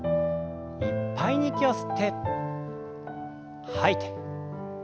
いっぱいに息を吸って吐いて。